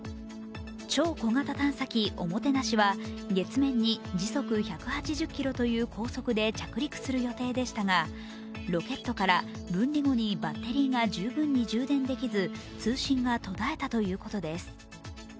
超小型探査機ＯＭＯＴＥＮＡＳＨＩは、月面に時速１８０キロという高速で着陸する予定でしたがロケットから分離後にバッテリーが十分に充電できず通信が途絶えたということです。